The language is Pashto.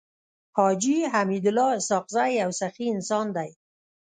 حاجي حميدالله اسحق زی يو سخي انسان دی.